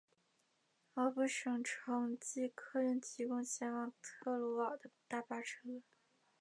奥布省城际客运提供前往特鲁瓦的大巴车。